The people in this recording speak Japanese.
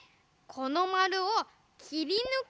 このまるをきりぬく？